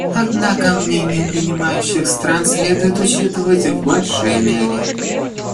Однако мнения принимающих стран следует учитывать в большей мере.